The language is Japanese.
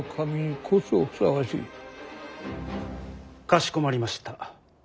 かしこまりました。